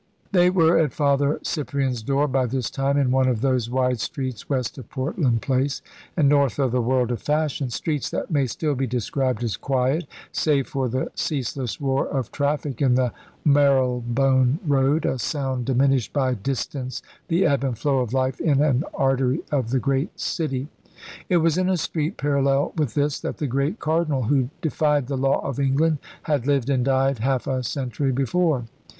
They were at Father Cyprian's door by this time, in one of those wide streets west of Portland Place, and north of the world of fashion. Streets that may still be described as quiet, save for the ceaseless roar of traffic in the Marylebone Road, a sound diminished by distance, the ebb and flow of life in an artery of the great city. It was in a street parallel with this that the great Cardinal who defied the law of England had lived and died half a century before.